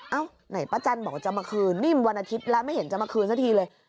ไหนป้าจันบอกจะมาคืนนิ่มวันอาทิตย์แล้วไม่เห็นจะมาคืนสักทีเลย